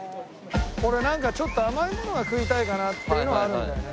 俺なんかちょっと甘い物が食いたいかなっていうのはあるんだよね